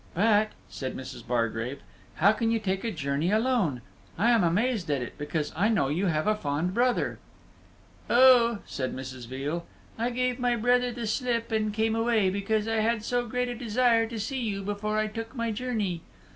"But," says Mrs. Bargrave, "how can you take a journey alone? I am amazed at it, because I know you have a fond brother." "Oh," says Mrs. Veal, "I gave my brother the slip, and came away, because I had so great a desire to see you before I took my journey."